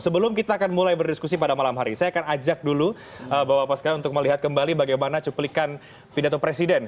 sebelum kita akan mulai berdiskusi pada malam hari saya akan ajak dulu bapak pasca untuk melihat kembali bagaimana cuplikan pidato presiden